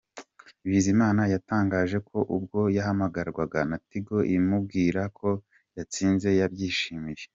Bizimana yatangaje ko ubwo yahamagarwaga na Tigo imubwira ko yhatsinze yabyishimiye.